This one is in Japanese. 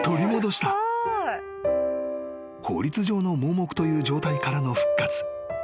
［法律上の盲目という状態からの復活］